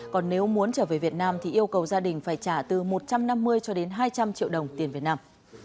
còn nếu muốn trở về việt nam thì yêu cầu gia đình phải trả từ một trăm năm mươi cho đến hai trăm linh triệu đồng tiền việt nam